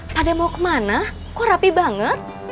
pada mau ke mana kok rapi banget